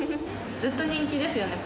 ずっと人気ですよね。